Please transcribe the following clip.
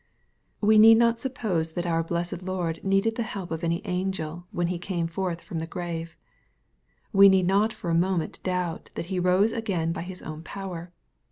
We need not suppose that our blessed Lord needed the help of any angel, when He came forth from the grave. We need not for a moment doubt that He rose again by His own power.